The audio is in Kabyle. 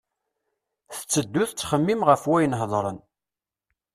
Tetteddu tettxemmim ɣef wayen hedren.